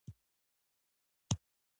تسبيحات مې شروع کړل.